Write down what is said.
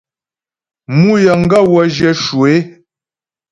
Mǔ yəŋgaə́ wə́ zhyə̂ shwə é.